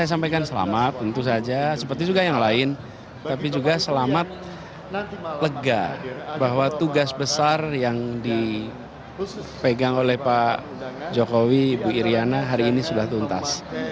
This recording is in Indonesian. saya sampaikan selamat tentu saja seperti juga yang lain tapi juga selamat lega bahwa tugas besar yang dipegang oleh pak jokowi ibu iryana hari ini sudah tuntas